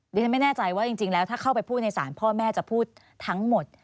ดิฉันไม่แน่ใจว่าจริงแล้วถ้าเข้าไปพูดในศาลพ่อแม่จะพูดทั้งหมด